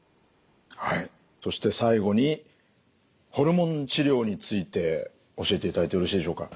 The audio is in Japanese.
はいそして最後にホルモン治療について教えていただいてよろしいでしょうか。